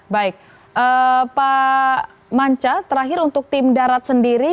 baik pak manca terakhir untuk tim darat sendiri